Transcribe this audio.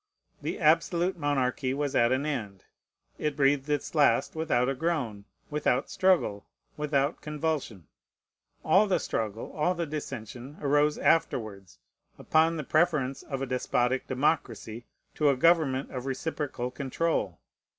The absolute monarchy was at an end. It breathed its last without a groan, without struggle, without convulsion. All the struggle, all the dissension, arose afterwards, upon the preference of a despotic democracy to a government of reciprocal control.